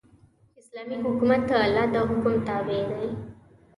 اسلامي حکومت د الله د حکم تابع دی.